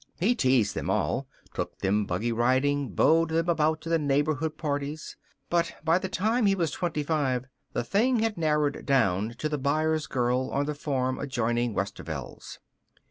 He teased them all, took them buggy riding, beaued them about to neighbor hood parties. But by the time he was twenty five the thing had narrowed down to the Byers girl on the farm adjoining Westerveld's.